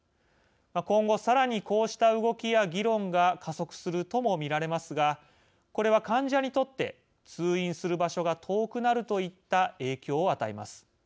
今後、さらにこうした動きや議論が加速するとも見られますがこれは患者にとって通院する場所が遠くなるといった影響を与えます。